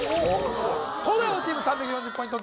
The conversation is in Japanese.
東大王チーム３４０ポイント